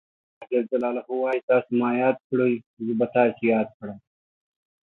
الله ج وایي تاسو ما یاد کړئ زه به تاسې یاد کړم.